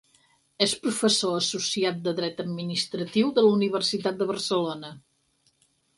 És professor associat de dret administratiu de la Universitat de Barcelona.